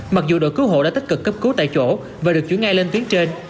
mặc dù đội cứu hộ đã tích cực cấp cứu tại chỗ và được chuyển ngay lên tuyến trên